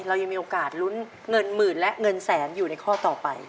เรายังมีโอกาสลุ้นเงินหมื่นและเงินแสนอยู่ในข้อต่อไป